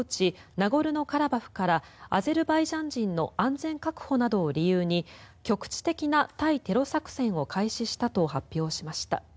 ナゴルノカラバフからアゼルバイジャン人の安全確保などを理由に局地的な対テロ作戦を開始したと発表しました。